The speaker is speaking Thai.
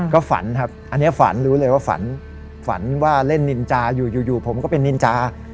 ก็ฝันครับอันนี้ฝันรู้เลยว่าฝันฝันว่าเล่นนินจาอยู่ผมก็เป็นนินจา